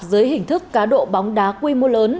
dưới hình thức cá độ bóng đá quy mô lớn